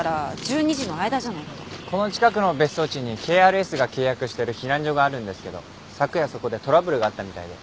この近くの別荘地にＫＲＳが契約してる避難所があるんですけど昨夜そこでトラブルがあったみたいで。